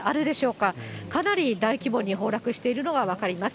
かなり大規模に崩落しているのが分かります。